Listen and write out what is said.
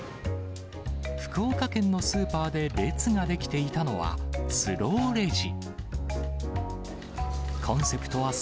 福岡県のスーパーで列が出来ていたのは、スローレジ。